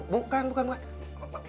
bukan bukan bukan